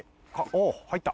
おっ入った！